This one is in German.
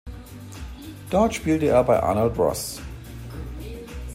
Dort spielte er bei Arnold Ross.